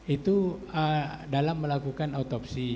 itu dalam melakukan otopsi